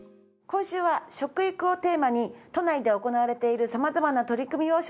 今週は食育をテーマに都内で行われている様々な取り組みを紹介します。